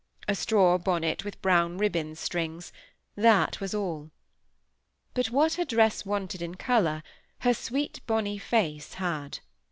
A straw bonnet with brown ribbon strings; that was all. But what her dress wanted in colour, her sweet bonny face had.